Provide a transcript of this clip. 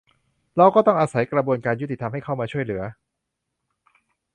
เราก็ต้องอาศัยกระบวนการยุติธรรมให้เข้ามาช่วยเหลือ